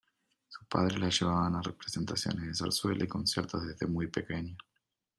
Sus padres la llevaban a representaciones de zarzuela y conciertos desde muy pequeña.